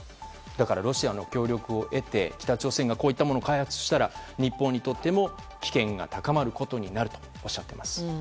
だからロシアの協力を得て北朝鮮がこういったものを開発したら日本にとっても危険が高まることになるとおっしゃっています。